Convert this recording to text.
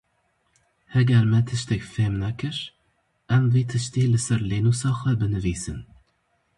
Heger me tiştek fêhm nekir, em wî tiştî li ser lênûsa xwe binivîsin.